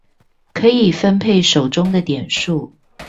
可以分配手中的點數